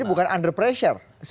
jadi bukan under pressure